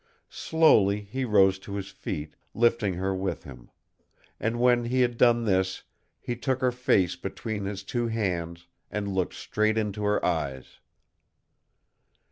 Slowly he rose to his feet, lifting her with him; and when he had done this he took her face between his two hands and looked straight into her eyes.